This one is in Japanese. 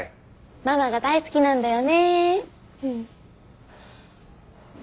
ママが大好きなんだよねー。